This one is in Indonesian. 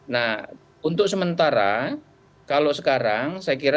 nah untuk sementara kalau sekarang saya kira